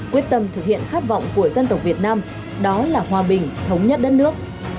quyết tâm thực hiện khát vọng của dân tộc việt nam đó là hòa bình thống nhất đất nước